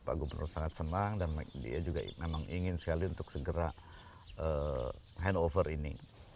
pak gubernur sangat senang dan dia juga memang ingin sekali untuk segera handover ini